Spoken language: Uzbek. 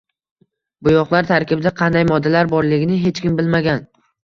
Boʻyoqlar tarkibida qanday moddalar borligini hech kim bilmagan.